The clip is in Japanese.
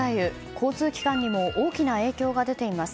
交通機関にも大きな影響が出ています。